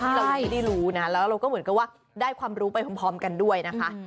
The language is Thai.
เรายังไม่ได้รู้นะแล้วเราก็เหมือนกับว่าได้ความรู้ไปพร้อมกันด้วยนะคะ